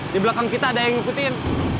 di belakang kita ada yang ngikutin